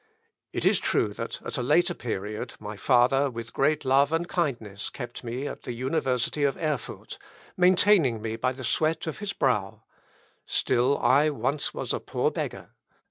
It is true that at a later period, my father, with great love and kindness, kept me at the University of Erfurt, maintaining me by the sweat of his brow; still I once was a poor beggar.